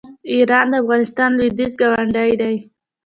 ایران د افغانستان لویدیځ ګاونډی دی.